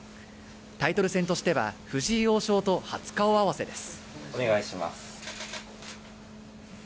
タイトル戦としては藤井王将と初顔合わせです。